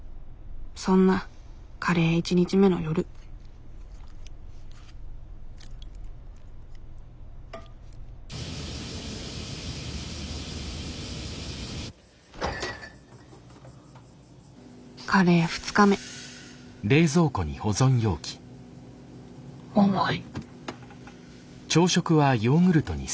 そんなカレー１日目の夜カレー２日目重い。